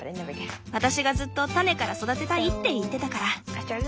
私がずっと種から育てたいって言ってたから。